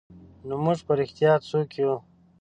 نو موږ په رښتیا څوک یو؟